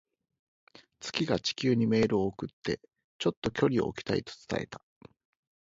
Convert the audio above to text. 月が地球にメールを送って、「ちょっと距離を置きたい」と伝えた。